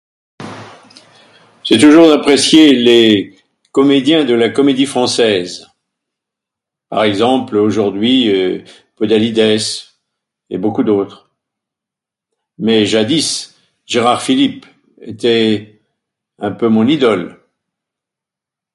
J'ai toujours apprécié les comédiens de la Comédie Française. Par exemple, aujourd'hui euh, Podalydès et beaucoup d'autres. Mais jadis, Gérard Philippe était un peu mon idole.